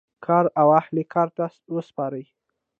کار و اهل کار ته وسپارئ